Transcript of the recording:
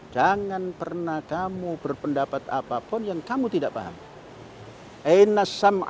jangan pernah berpendapat apapun yang kamu tidak paham